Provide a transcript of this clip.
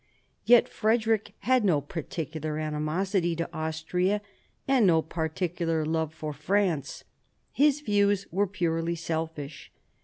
Yet Frederick had no particular animosity to Austria and no particular love for France; his views were purely selfish.